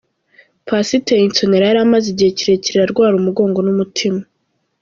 Pasiteri Nsonera yari amaze igihe kirekire arwara umugongo n’umutima.